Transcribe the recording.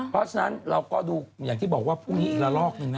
เพราะฉะนั้นเราก็ดูอย่างที่บอกว่าพรุ่งนี้อีกละลอกหนึ่งนะ